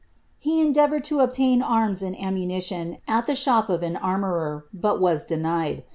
He endeavoured to obtain arms and ammunition at the shop of an ar morer, but was denied.